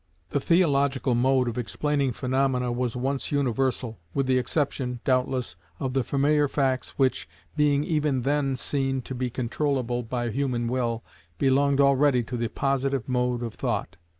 The Theological mode of explaining phaenomena was once universal, with the exception, doubtless, of the familiar facts which, being even then seen to be controllable by human will, belonged already to the positive mode of thought.